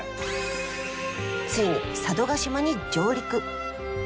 ついに佐渡島に上陸！